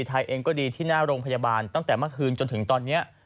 ไทยเองก็ดีที่หน้าโรงพยาบาลตั้งแต่เมื่อคืนจนถึงตอนนี้